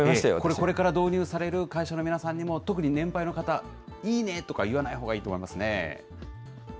これから導入される会社の皆さんにも、特に年配の方、いーねとか言わないほうがいいと思いますよね。